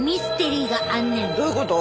どういうこと？